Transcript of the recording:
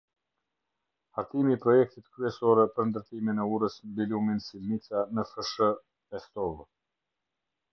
Hartimi i projektit kryesorë për ndërtimin e urës mbi lumin silnica në fsh. pestovë